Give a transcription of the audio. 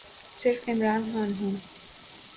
صرف عمران خان ہوں۔